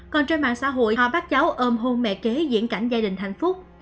còn trên mạng xã hội họ bắt cháu ôm hôn mẹ kế diễn cảnh gia đình hạnh phúc